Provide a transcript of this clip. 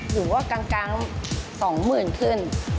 หรือว่ากลาง๒๐๐๐ขึ้น